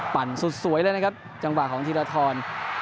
สุดสวยเลยนะครับจังหวะของธีรทร